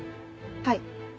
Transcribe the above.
はい。